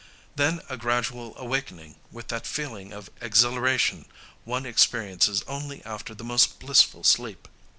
then a gradual awakening with that feeling of exhilaration one experiences only after the most blissful sleep.